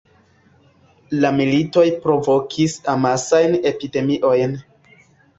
La militoj provokis amasajn epidemiojn.